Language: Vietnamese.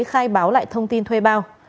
khai báo lại thông tin thuê bao